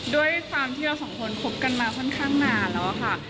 ด้วยความที่เราสองคนคบกันมาค่อนข้างนานแล้วค่ะ